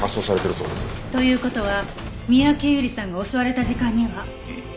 という事は三宅由莉さんが襲われた時間には。うん。